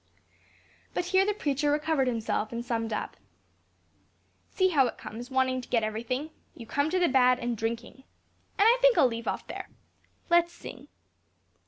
But here the preacher recovered himself and summed up. "See how it comes: wanting to get every thing, you come to the bad and drinking. And I think I'll leave off here. Let us sing."